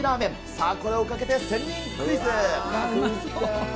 さあ、これをかけて仙人クイズ。